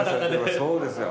そうですよ。